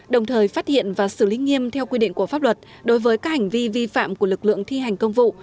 đồng thời phát hiện và xử lý nghiêm theo quy định của pháp luật đối với các hành vi vi phạm của lực lượng thi hành công vụ